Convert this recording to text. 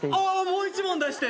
もう１問出して。